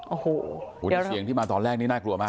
โอ้โหแต่เสียงที่มาตอนแรกนี้น่ากลัวมาก